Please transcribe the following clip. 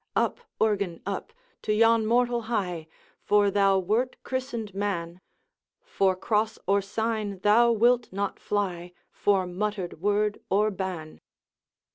'Up, Urgan, up! to yon mortal hie, For thou wert christened man; For cross or sign thou wilt not fly, For muttered word or ban.